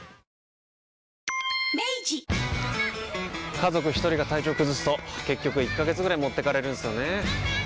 家族一人が体調崩すと結局１ヶ月ぐらい持ってかれるんすよねー。